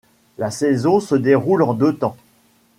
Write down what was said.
La saison se déroule en deux temps.